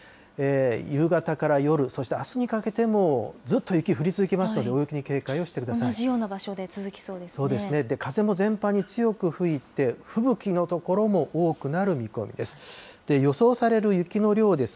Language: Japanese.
夕方から夜、そしてあすにかけても、ずっと雪降り続きますので、同じような場所で続きそうでそうですね、風も全般に強く吹いて、吹雪の所も多くなる見込みです。